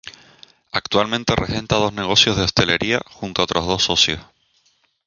Actualmente regenta dos negocios de hostelería, junto a otros dos socios.